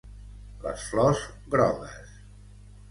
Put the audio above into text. Les flors grogues.